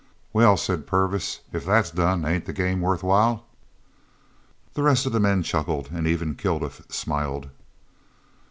"Well," said Purvis, "if that's done, ain't the game worth while?" The rest of the men chuckled and even Kilduff smiled.